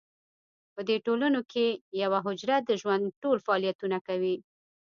په دې ټولنو کې یوه حجره د ژوند ټول فعالیتونه کوي.